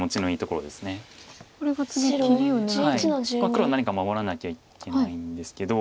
黒は何か守らなきゃいけないんですけど。